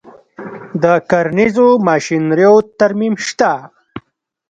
د کرنیزو ماشینریو ترمیم شته